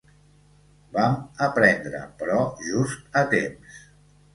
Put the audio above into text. Vam aprendre, però just a temps.